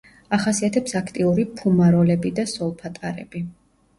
ახასიათებს აქტიური ფუმაროლები და სოლფატარები.